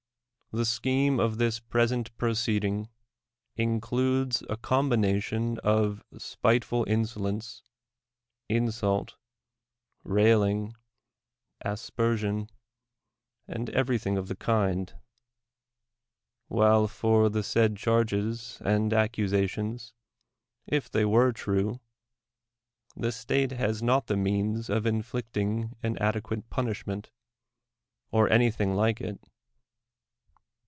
The scheme of this present proceeding includes a combination of spiteful insolence, insult, railing, aspersion, and everything of the kind; while for the said 145 THE WORLD'S FAMOUS ORATIONS charges and accusations, if they were true, the state has not the means of inflicting an adequate punishment, or anything like it.